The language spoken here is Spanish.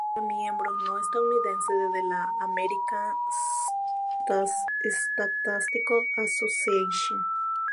Fue el primer miembro no estadounidense de la American Statistical Association.